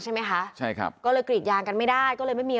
ใช่ไหมคะใช่ครับก็เลยกรีดยางกันไม่ได้ก็เลยไม่มี